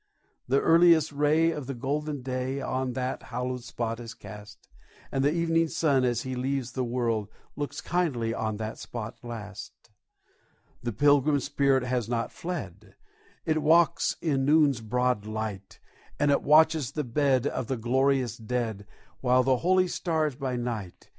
The earliest ray of the golden day On that hallowed spot is cast; And the evening sun, as he leaves the world, Looks kindly on that spot last. The Pilgrim spirit has not fled: It walks in noon's broad light; And it watches the bed of the glorious dead, With the holy stars by night.